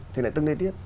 thì lại tương đối tiết